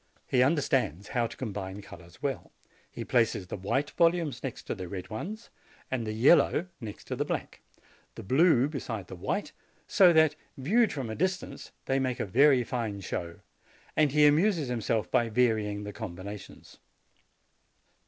He understands how to com bine colors well : he places the white volumes next to the red ones, the yellow next the black, the blue be side the white, so that, viewed from a distance, they make a very fine show ; and he amuses himself by vary ing the combinations.